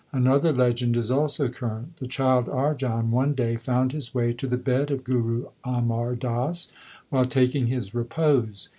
Another legend is also current. The child Arjan one day found his way to the bed of Guru Amar Das while taking his repose.